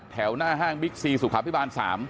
หน้าห้างบิ๊กซีสุขภิบาล๓